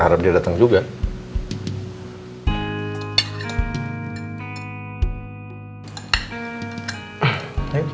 saat ini assistant nambah kot sister